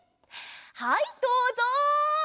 はいどうぞ！